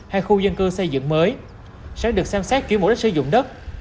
hay khu dân cư xây dựng mới sẽ được xem xét chuyển mục đích sử dụng đất